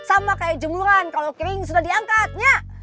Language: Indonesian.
sama kayak jemuran kalau kering sudah diangkat nya